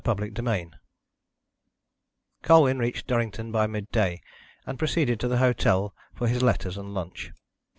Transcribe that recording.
CHAPTER XXII Colwyn reached Durrington by midday, and proceeded to the hotel for his letters and lunch.